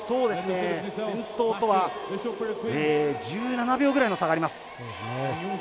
先頭とは１７秒ぐらいの差があります。